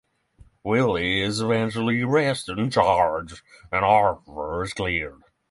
Willy is eventually arrested and charged, and Arthur is cleared.